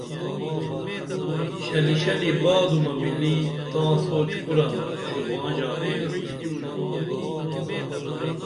شلی شلی بادُمہ مِلی تاں سوچ کُرن شُباں ژانپِنا